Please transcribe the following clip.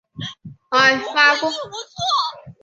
此歌的出现取替了花洒的年度作地位。